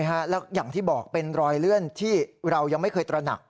แล้วอย่างที่บอกเป็นรอยเลื่อนที่เรายังไม่เคยตระหนัก